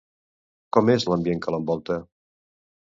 Com és l'ambient que l'envolta?